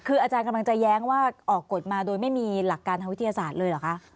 คืออาจารย์กำลังจะแย้งว่าออกกฎมาโดยไม่มีหลักการทางวิทยาศาสตร์เลยเหรอคะ